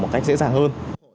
một cách dễ dàng hơn